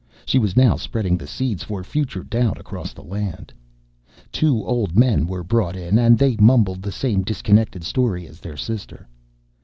She was now spreading the seeds for future doubt across the land. Two old men were brought in and they mumbled the same disconnected story as their sister.